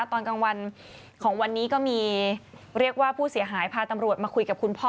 ตอนกลางวันของวันนี้ก็มีเรียกว่าผู้เสียหายพาตำรวจมาคุยกับคุณพ่อ